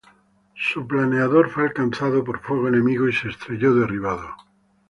Su planeador fue alcanzado por fuego enemigo y se estrelló derribado.